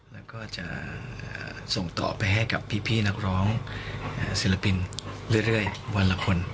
แล้วก็จะส่งต่อไปให้กับพี่นักร้องศิลปินเรื่อยวันละคน